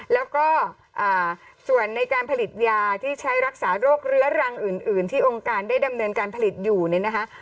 แล้วก็ส่วนในการผลิตยาที่ใช้รักษาโรคเรื้อรังอื่นที่องค์การได้ดำเนินการผลิตอยู่เนี่ยนะคะ